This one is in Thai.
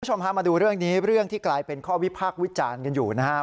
พามาดูเรื่องนี้เรื่องที่กลายเป็นข้อวิพากษ์วิจารณ์กันอยู่นะฮะ